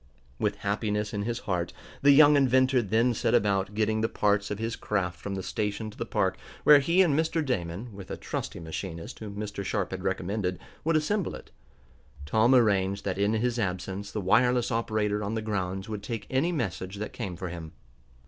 With happiness in his heart, the young inventor then set about getting the parts of his craft from the station to the park, where he and Mr. Damon, with a trusty machinist whom Mr. Sharp had recommended, would assemble it. Tom arranged that in his absence the wireless operator on the grounds would take any message that came for him.